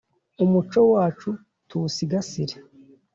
umuco wacu tuwusigasire